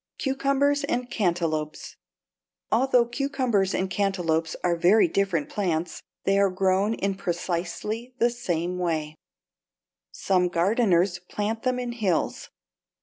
=Cucumbers and Cantaloupes.= Although cucumbers and cantaloupes are very different plants, they are grown in precisely the same way. Some gardeners plant them in hills.